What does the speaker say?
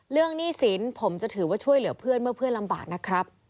หนี้สินผมจะถือว่าช่วยเหลือเพื่อนเมื่อเพื่อนลำบากนะครับ